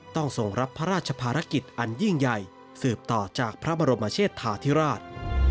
ต้องส่งรับพระราชภารกิจอันยิ่งใหญ่สืบต่อจากพระบรมเชษฐาธิราช